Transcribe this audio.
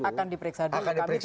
akan diperiksa dulu